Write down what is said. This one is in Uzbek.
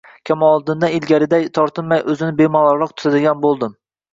Kamoliddindan ilgarigiday tortinmay, o`zimni bemalolroq tutadigan bo`ldim